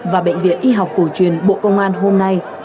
và bệnh viện y học cổ truyền bộ công an hôm nay